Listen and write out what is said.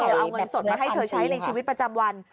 เดี๋ยวเอาเงินสดมาให้เธอใช้ในชีวิตประจำวัน